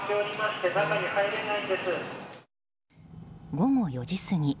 午後４時過ぎ。